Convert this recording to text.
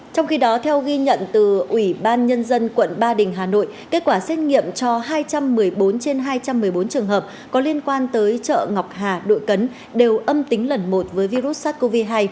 trong khi đó theo ghi nhận từ ủy ban nhân dân quận ba đình hà nội kết quả xét nghiệm cho hai trăm một mươi bốn trên hai trăm một mươi bốn trường hợp có liên quan tới chợ ngọc hà đội cấn đều âm tính lần một với virus sars cov hai